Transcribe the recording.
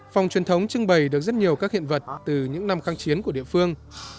phòng truyền thống trưng bày được rất nhiều các hiện vật từ những năm kháng chiến của địa phương